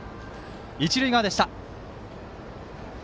一塁側でした。